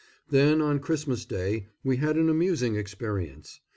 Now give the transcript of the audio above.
Then, on Christmas Day, we had an amusing experience.